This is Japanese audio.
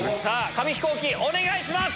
紙飛行機お願いします！